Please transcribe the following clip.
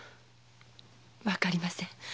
わかりません。